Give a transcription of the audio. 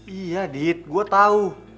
iya dit gue tau